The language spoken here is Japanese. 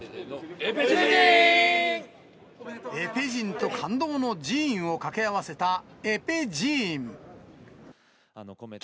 エペ陣と感動のジーンを掛け合わせたエペジーン。